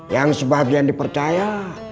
yang sebagian dipercaya